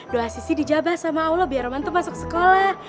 doa sisi dijabah sama allah biar roman tuh masuk sekolah